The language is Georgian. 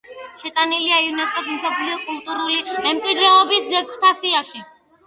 შეტანილია იუნესკოს მსოფლიო კულტურული მემკვიდრეობის ძეგლთა სიაში.